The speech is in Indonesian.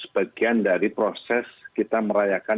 bagian dari proses kita merayakan